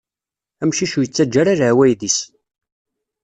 Amcic ur ittaǧǧa ara laɛwayed-is.